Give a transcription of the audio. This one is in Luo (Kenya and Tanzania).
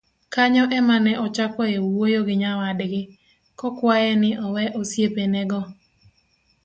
Kanyo ema ne ochakoe wuoyo gi nyawadgi, kokwaye ni owe osiepenego.